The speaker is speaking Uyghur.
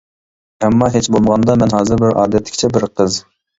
ئەمما ھېچ بولمىغاندا مەن ھازىر بىر ئادەتتىكىچە بىر قىز.